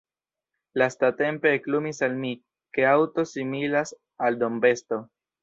Lastatempe eklumis al mi, ke aŭto similas al dombesto.